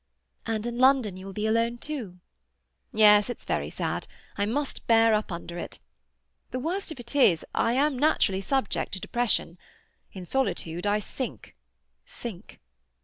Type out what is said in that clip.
"And in London you will be alone too?" "Yes. It's very sad. I must bear up under it. The worst of it is, I am naturally subject to depression. In solitude I sink, sink.